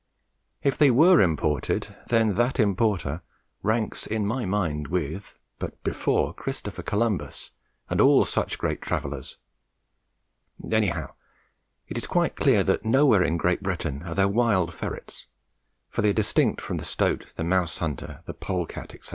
If they were imported, then that importer ranks in my mind with, but before, Christopher Columbus and all such travellers. Anyhow it is quite clear that nowhere in Great Britain are there wild ferrets, for they are as distinct from the stoat, the mouse hunter, the pole cat, etc.